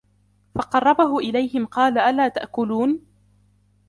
فقربه إليهم قال ألا تأكلون